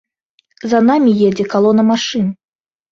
За намі едзе калона машын.